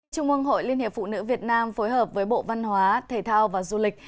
trung ương hội liên hiệp phụ nữ việt nam phối hợp với bộ văn hóa thể thao và du lịch